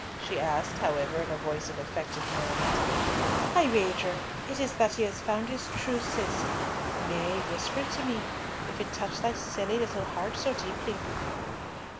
she asked, however, in a voice of affected merriment. "I wager it is that he has found his true Cis. Nay, whisper it to me, if it touch thy silly little heart so deeply."